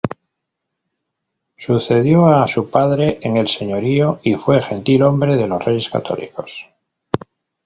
Sucedió a su padre en el señorío y fue gentilhombre de los Reyes Católicos.